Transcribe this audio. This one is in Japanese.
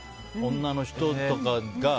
女の人とか。